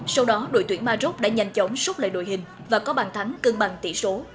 sau đó đội tuyển maroc đã nhanh chóng xúc lại đội hình và có bàn thắng cân bằng tỷ số